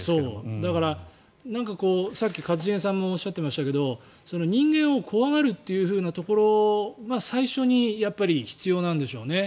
だから、さっき一茂さんもおっしゃっていましたが人間を怖がるというところが最初に必要なんでしょうね。